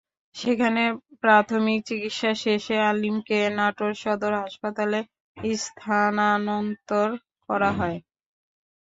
সেখানে প্রাথমিক চিকিৎসা শেষে আলীমকে নাটোর সদর হাসপাতালে স্থানান্তর করা হয়।